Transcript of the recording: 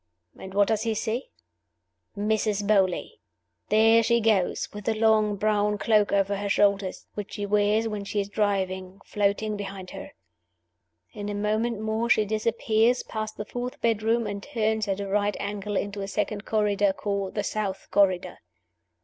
And what does he see? Mrs. Beauly! There she goes, with the long brown cloak over her shoulders, which she wears when she is driving, floating behind her. In a moment more she disappears, past the fourth bedroom, and turns at a right angle, into a second corridor, called the South Corridor.